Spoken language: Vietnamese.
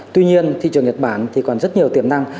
tuy nhiên thị trường nhật bản thì còn rất nhiều tiềm năng